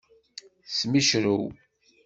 Smicrew.